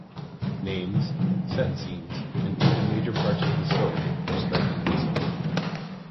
Names, set scenes, and even major parts of the story, are strikingly similar.